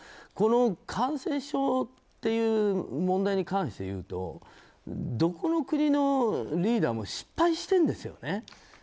この感染症という問題に関して言うとどこの国のリーダーも失敗してるんですよね。